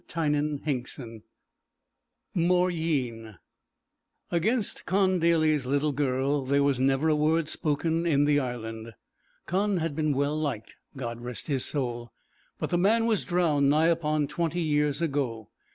VI MAURYEEN Against Con Daly's little girl there was never a word spoken in the Island. Con had been well liked, God rest his soul! but the man was drowned nigh upon twenty years ago.